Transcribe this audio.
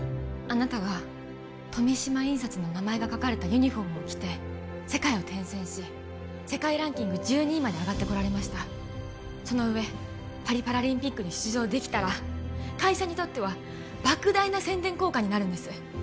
あなたは富島印刷の名前が書かれたユニフォームを着て世界を転戦し世界ランキング１２位まで上がってこられましたその上パリパラリンピックに出場できたら会社にとってはばく大な宣伝効果になるんです